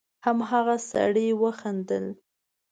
هماغه سړي وخندل: